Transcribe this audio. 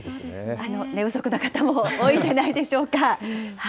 寝不足な方も多いんじゃないでしょうか。